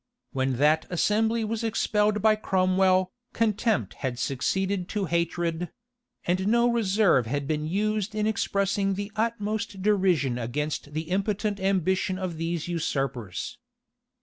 When that assembly was expelled by Cromwell, contempt had succeeded to hatred; and no reserve had been used in expressing the utmost derision against the impotent ambition of these usurpers.